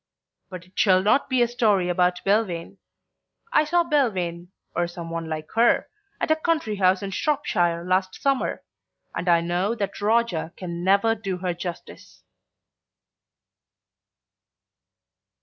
But it shall not be a story about Belvane. I saw Belvane (or some one like her) at a country house in Shropshire last summer, and I know that Roger can never do her justice.